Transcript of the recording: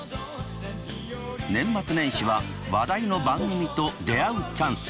年末年始は話題の番組と出会うチャンス！